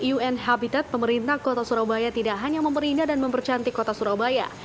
un habitat pemerintah kota surabaya tidak hanya memerinda dan mempercantik kota surabaya